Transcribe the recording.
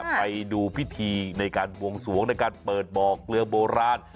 ไปดูพิธีในการบวงสวงในการเปิดบ่อเกลือโบราณ